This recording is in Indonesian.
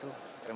terima kasih itu